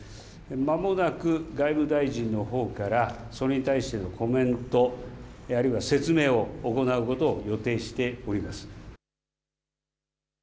まもなく外務大臣のほうからそれに対してのコメント、あるいは説明を行うことを予定しております。